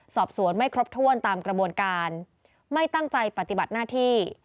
สอบสวนไม่ครบถ้วนตามกระบวนการไม่ตั้งใจปฏิบัติหน้าที่